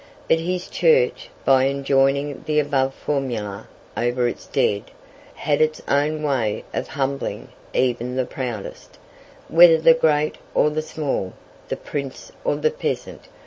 But his church, by enjoining the above formula over its dead, had its own way of humbling even the proudest, whether the great or the small, the prince or the peasant.